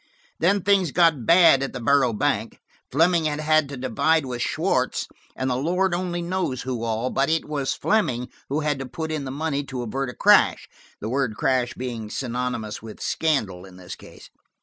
Then things got bad at the Borough Bank. Fleming had had to divide with Schwartz and the Lord only knows who all, but it was Fleming who had to put in the money to avert a crash–the word crash being synonymous with scandal in this case.